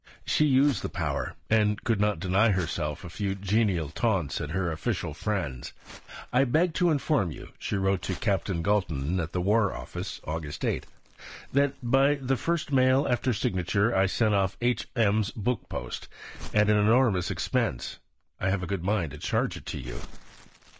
She used the power; and could not deny herself a few genial taunts at her official friends. "I beg to inform you," she wrote to Captain Galton at the War Office (Aug. 8), "that by the first mail after signature I sent off by H.M.'s book post, at an enormous expense (I have a good mind to charge it to you!)